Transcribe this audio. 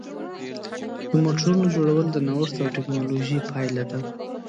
د موټرونو جوړول د نوښت او ټېکنالوژۍ پایله ده.